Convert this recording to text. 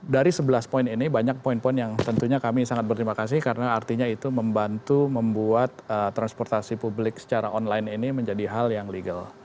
dari sebelas poin ini banyak poin poin yang tentunya kami sangat berterima kasih karena artinya itu membantu membuat transportasi publik secara online ini menjadi hal yang legal